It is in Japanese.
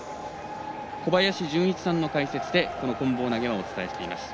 小林順一さんの解説でこん棒投げはお伝えします。